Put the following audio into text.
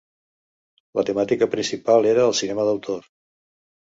La temàtica principal era el cinema d'autor.